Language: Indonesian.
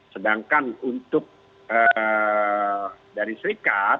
sedangkan untuk dari serikat